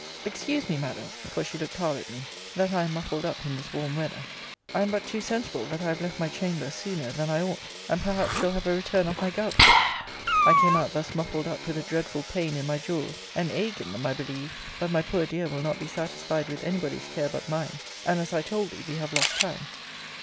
Excuse me, Madam, [for she looked hard at me,] that I am muffled up in this warm weather. I am but too sensible that I have left my chamber sooner that I ought, and perhaps shall have a return of my gout for it. I came out thus muffled up with a dreadful pain in my jaws; an ague in them, I believe. But my poor dear will not be satisfied with any body's care but mine. And, as I told thee, we have lost time.